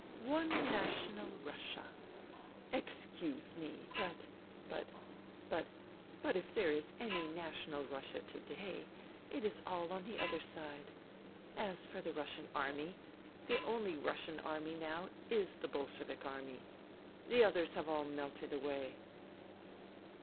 "One national Russia! Excuse me, but — ^but — but — ^but if there is any national Russia to day it is all on the other side. As for the Russian Army, the only Russian Army now is the Bolshevik Army. The others have all melted away."